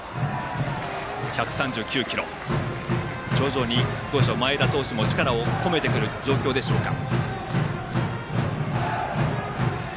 徐々に前田投手も力を込めてくる状況でしょうか。